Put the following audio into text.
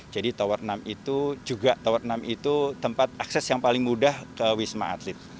jadi tower enam itu juga tempat akses yang paling mudah ke wisma atlet